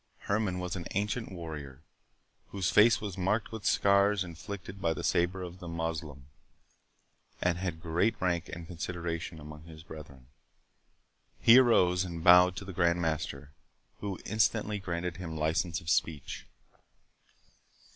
Herman was an ancient warrior, whose face was marked with scars inflicted by the sabre of the Moslemah, and had great rank and consideration among his brethren. He arose and bowed to the Grand Master, who instantly granted him license of speech.